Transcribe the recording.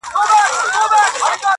چي راسره وه لکه غر درانه درانه ملګري،